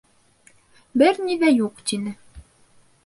Бер ни ҙә юҡ, тине.